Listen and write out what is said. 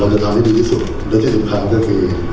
เราจะทำที่ดีที่สุดด้วยที่สุดท้ายมันก็คือ